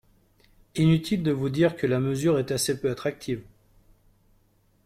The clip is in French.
Inutile de vous dire que la mesure est assez peu attractive.